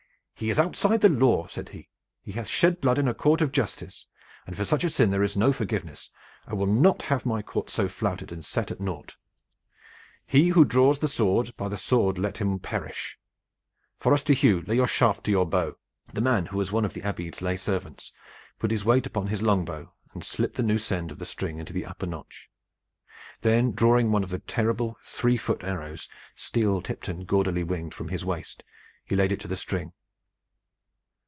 "He is outside the law," said he. "He hath shed blood in a court of justice, and for such a sin there is no forgiveness. I will not have my court so flouted and set at naught. He who draws the sword, by the sword also let him perish. Forester Hugh lay a shaft to your bow!" The man, who was one of the Abbey's lay servants, put his weight upon his long bow and slipped the loose end of the string into the upper notch. Then, drawing one of the terrible three foot arrows, steel tipped and gaudily winged, from his waist, he laid it to the string.